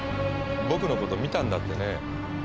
僕のこと見たんだってね。